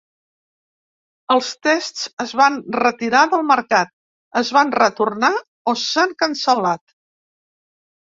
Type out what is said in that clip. Els tests es van retirar del mercat, es van retornar o s’han cancel·lat.